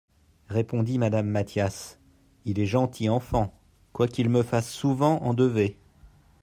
repondit Madame Mathias, il est gentil enfant, quoiqu'il me fasse souvent endever.